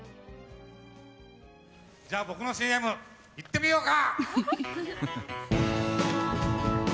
じゃあ僕のＣＭいってみようか！